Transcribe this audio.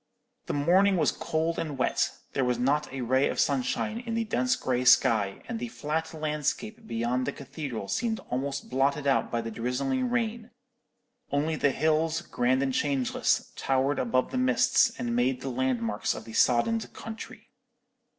"The morning was cold and wet. There was not a ray of sunshine in the dense grey sky, and the flat landscape beyond the cathedral seemed almost blotted out by the drizzling rain; only the hills, grand and changeless, towered above the mists, and made the landmarks of the soddened country.